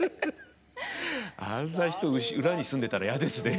あんな人裏に住んでたら嫌ですね。